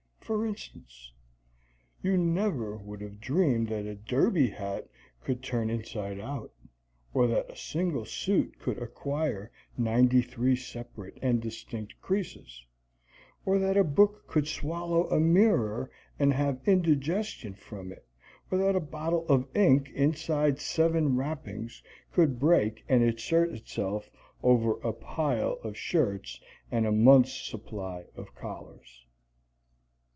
For instance, you never would have dreamed that a derby hat could turn inside out, or that a single suit could acquire ninety three separate and distinct creases, or that a book could swallow a mirror and have indigestion from it, or that a bottle of ink inside seven wrappings could break and assert itself over a pile of shirts and a month's supply of collars.